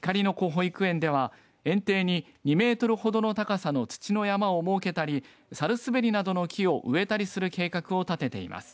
保育園では園庭に２メートルほどの高さの土の山を設けたりサルスベリなどの木を植えたりする計画を立てています。